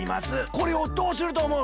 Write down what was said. これをどうするとおもう？